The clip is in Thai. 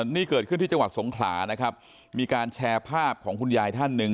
นี่เกิดขึ้นที่จังหวัดสงขลานะครับมีการแชร์ภาพของคุณยายท่านหนึ่ง